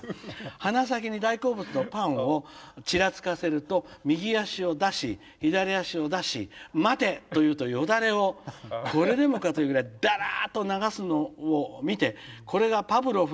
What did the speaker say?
鼻先に大好物のパンをちらつかせると右足を出し左足を出し『待て！』と言うとよだれをこれでもかというぐらいダラッと流すのを見てこれがパブロフの条件反射かと思いました。